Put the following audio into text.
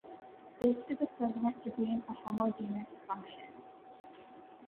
This is equivalent to being a homogeneous function.